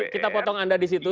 kita potong anda disitu